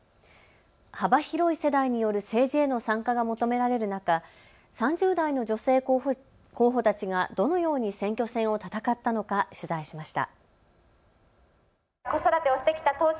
幅広い世代による政治への参加が求められる中、３０代の女性候補たちがどのように選挙戦を戦ったのか取材しました。